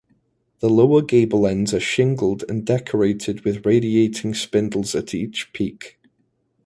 The lower gable ends are shingled and decorated with radiating spindles at each peak.